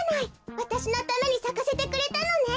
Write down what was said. わたしのためにさかせてくれたのね。